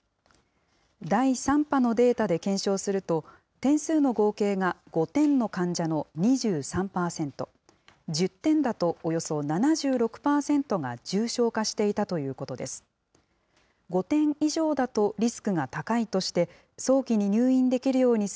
第３波のデータで検証すると、点数の合計が５点の患者の２３％、１０点だとおよそ７６％が重症化していたということです。